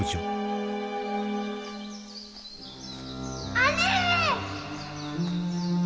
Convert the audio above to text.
姉上！